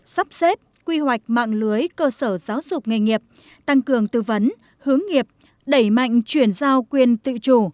sắp xếp quy hoạch mạng lưới cơ sở giáo dục nghề nghiệp tăng cường tư vấn hướng nghiệp đẩy mạnh chuyển giao quyền tự chủ